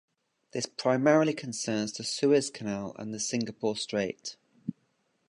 This primarily concerns the Suez Canal and the Singapore Strait.